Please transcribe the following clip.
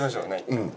うん。